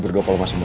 eh buka mulai boy